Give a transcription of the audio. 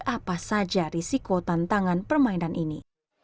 apa saja risiko tantangan permainan ini